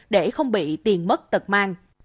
để không bị tiền mất tật mang